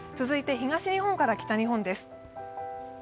東日本から北日本です。